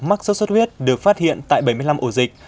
mắc sốt xuất huyết được phát hiện tại bảy mươi năm ổ dịch